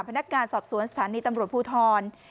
พนักงานสอบสวนสถานีตำรวจภูทร